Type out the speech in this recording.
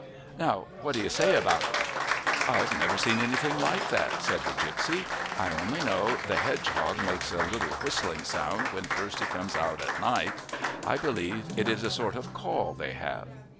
Now what do you say about it?" "I've never seen anything like that," said the gipsy. "I only know the hedgehog makes a little whistling sound when he first comes out at night; I believe it is a sort of call they have."